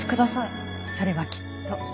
それはきっと。